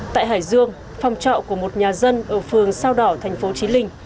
tại hải dương phòng trọ của một nhà dân ở phường sao đỏ thành phố trí linh